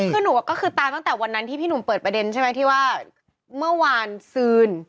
คือหนูก็คือตามตั้งแต่วันนั้นที่พี่หนุ่มเปิดประเด็นใช่ไหมที่ว่าเมื่อวานซืน